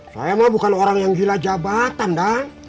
saya mah bukan orang yang gila jabatan dah